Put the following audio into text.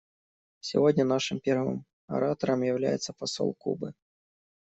Сегодня нашим первым оратором является посол Кубы.